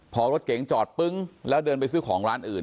พอรถเก๋งจอดปึ้งแล้วเดินไปซื้อของร้านอื่น